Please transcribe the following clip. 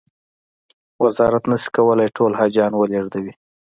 وزارت نه شي کولای ټول حاجیان و لېږدوي.